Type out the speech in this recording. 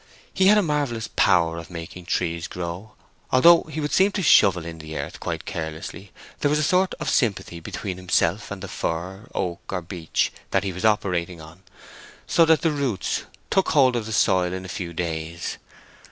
He had a marvellous power of making trees grow. Although he would seem to shovel in the earth quite carelessly, there was a sort of sympathy between himself and the fir, oak, or beech that he was operating on, so that the roots took hold of the soil in a few days.